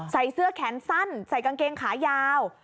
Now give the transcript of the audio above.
ใส่เสื้อแขนสั้นใส่กางเกงขายาว